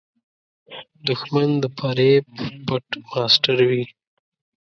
دښمن د فریب پټ ماسټر وي